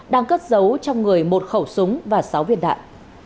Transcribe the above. đang cất giấu trong người một khẩu súng và sáu viên đạn